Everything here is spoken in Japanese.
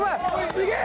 すげえ！